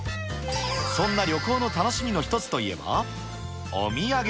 そんな旅行の楽しみの一つといえば、お土産。